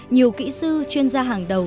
nhiều kỹ sư chuyên gia hàng đầu